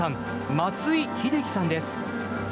松井秀喜さんです。